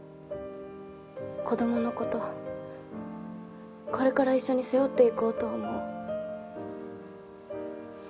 子どものことこれから一緒に背負っていこうと思う。